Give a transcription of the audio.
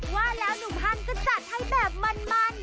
ว่าแล้วหนุ่มฮันก็จัดให้แบบมัน